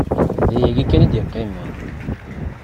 D ayagi kan i d-yeqqimen.